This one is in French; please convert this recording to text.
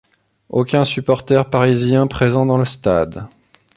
Aucun supporter parisien présent dans le stade.